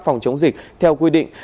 phòng chống dịch theo quy định